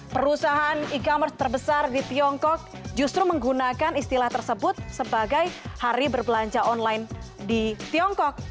perusahaan e commerce terbesar di tiongkok justru menggunakan istilah tersebut sebagai hari berbelanja online di tiongkok